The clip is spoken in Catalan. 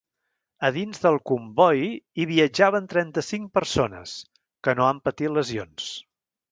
A dins del comboi hi viatjaven trenta-cinc persones, que no han patit lesions.